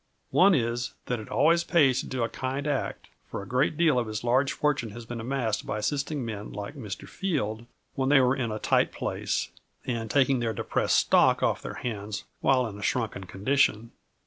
One is, that it always pays to do a kind act, for a great deal of his large fortune has been amassed by assisting men like Mr. Field, when they were in a tight place, and taking their depressed stock off their hands while in a shrunken condition.